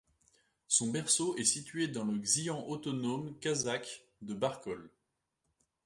Son berceau est situé dans le xian autonome kazakh de Barkol.